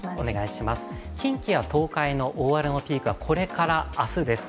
近畿や東海の大荒れのピークはこれから明日です。